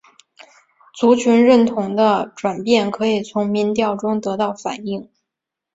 族群认同的转变可以从民调中得到反映。